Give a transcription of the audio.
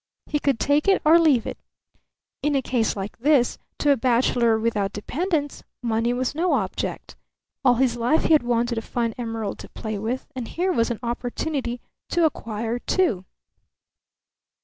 He could take it or leave it. In a case like this to a bachelor without dependents money was no object. All his life he had wanted a fine emerald to play with, and here was an opportunity to acquire two!